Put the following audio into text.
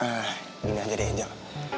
ah ini aja deh angel